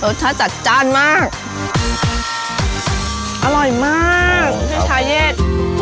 รสชาติจัดจ้านมากอร่อยมากไม่ใช่เย็น